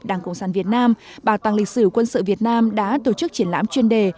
đảng cộng sản việt nam bảo tàng lịch sử quân sự việt nam đã tổ chức triển lãm chuyên đề